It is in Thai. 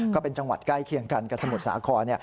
ก็เป็นจังหวัดใกล้เคียงกันกับสมุทรสาคร